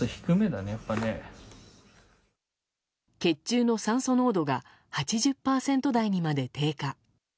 血中の酸素濃度が８０％台にまで低下。